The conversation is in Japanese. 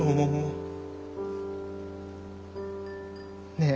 ねえ。